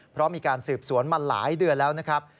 เพราะมีการสืบสวนมาหลายเดือนแล้วนะครับ